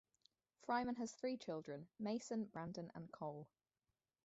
Fryman has three children, Mason, Branden, and Cole.